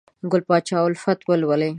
ګل پاچا الفت ولولئ!